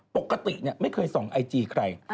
ปกติไม่เคยส่องไอจีใคร